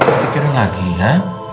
kamu pikirin lagi ya